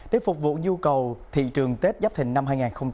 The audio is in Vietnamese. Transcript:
để phục vụ nhu cầu thị trường tết dắp thịnh năm hai nghìn hai mươi bốn